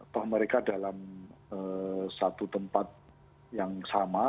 toh mereka dalam satu tempat yang sama